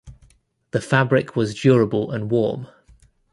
The fabric was durable and warm.